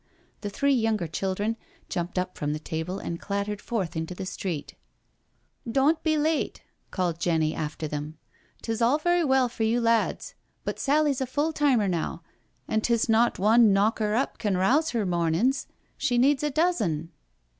The three younger children jumped up from the table and clattered forth into the street, " Doan't be late," called Jenny after them. " Tis all very well for you lads, but Sally's a full timer now, and 'tis not one knocker up can rouse her morn in's—she needs a dozen."